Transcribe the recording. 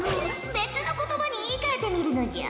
別の言葉に言いかえてみるのじゃ！